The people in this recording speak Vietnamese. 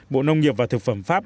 bộ nông nghiệp và thực phẩm pháp